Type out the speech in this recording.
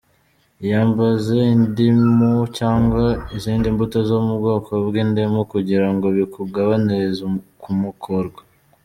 Iyambaze indimu cyangwa izindi mbuto zo mu bwoko bw’indimu kugira ngo bikugabanirize kumokorwa,.